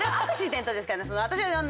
私は。